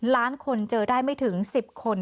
ล้านคนเจอได้ไม่ถึง๑๐คน